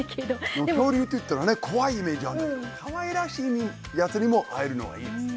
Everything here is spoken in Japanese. でも恐竜って言ったらね怖いイメージあるけどかわいらしいやつにも会えるのはいいですね。